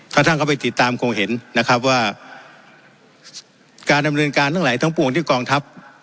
ถ้าท่านเข้าไปติดตามคงเห็นนะครับว่าการดำเนินการทั้งหลายทั้งปวงที่กองทัพ